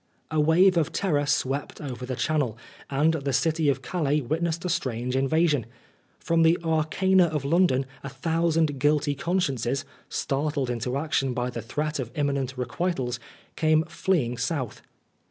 A wave of terror swept over the Channel, and the city of Calais witnessed a strange invasion. From the arcana of London a thousand guilty consciences, startled into action by the threat of imminent requitals, came fleeing South.